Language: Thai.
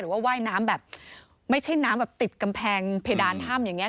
ว่าว่ายน้ำแบบไม่ใช่น้ำแบบติดกำแพงเพดานถ้ำอย่างนี้